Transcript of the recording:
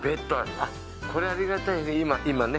あっ、これ、ありがたいね、今ね。